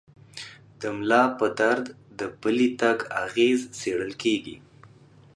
د ملا پر درد د پلي تګ اغېز څېړل کېږي.